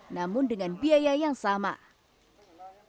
namun dengan biaya yang lebih tinggi